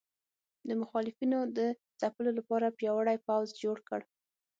د مخالفینو د ځپلو لپاره پیاوړی پوځ جوړ کړ.